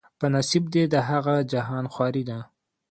په نصیب دي د هغه جهان خواري ده